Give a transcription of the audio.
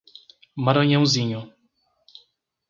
Maranhãozinho